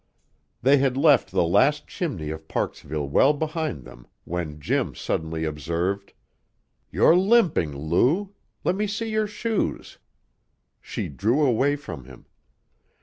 They had left the last chimney of Parksville well behind them when Jim suddenly observed: "You're limping, Lou. Let me see your shoes." She drew away from him.